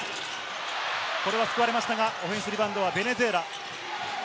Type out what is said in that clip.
これは救われましたが、オフェンスリバウンドはベネズエラ。